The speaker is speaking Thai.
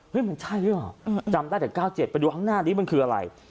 มันใช่หรือเปล่าจำได้แต่๙๗ไปดูข้างหน้านี้มันคืออะไร